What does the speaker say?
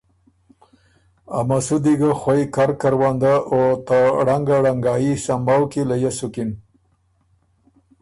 ا مسُودی ګۀ خوئ کر کروندۀ او ته ړنګه ړنګايي سمؤ کی لیۀ سُکِن۔